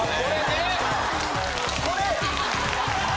これ。